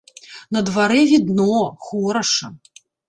На дварэ відно, хораша.